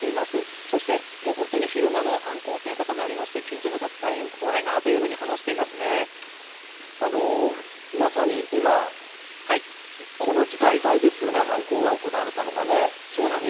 そして、もう本当に昼間の犯行ということもありまして、近所の方、大変怖まさに今、この時間帯ですよね、そうなんです。